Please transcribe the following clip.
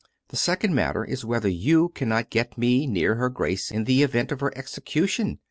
" The second matter is whether you cannot get me near her Grace in the event of her execution.